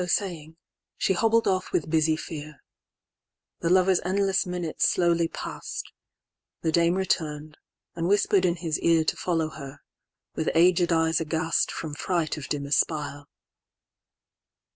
XXI.So saying, she hobbled off with busy fear. The lover's endless minutes slowly pass'd; The dame return'd, and whisper'd in his earTo follow her; with aged eyes aghastFrom fright of dim espial.